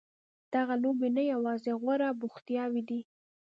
دغه لوبې نه یوازې غوره بوختیاوې دي.